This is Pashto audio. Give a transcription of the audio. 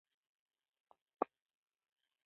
مجاهد د خدای په لاره کې خندا هم قرباني کوي.